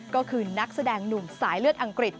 ก็คือนักแสดงหนุ่มสายเลือดอังกฤษ